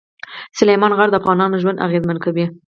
سلیمان غر د افغانانو ژوند اغېزمن کوي.